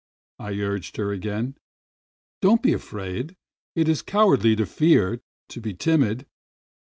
I urged her again. "Don't be afraid ! It is cowardly to fear, to be timid."